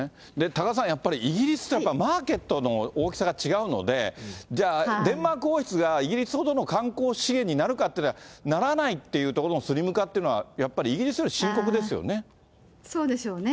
多賀さん、やっぱり、イギリスってマーケットの大きさが違うので、じゃあ、デンマーク王室がイギリスほどの観光資源になるかっていうのは、ならないっていうところのスリム化っていうのは、やっぱりイギリそうでしょうね。